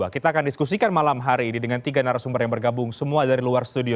kita akan diskusikan malam hari ini dengan tiga narasumber yang bergabung semua dari luar studio